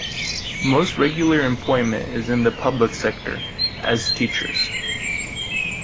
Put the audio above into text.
Most regular employment is in the public sector, as teachers.